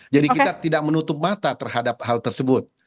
jadi kita tidak menutup mata terhadap hal tersebut